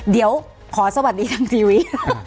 เดี๋ยวขอสวัสดีทางทีวี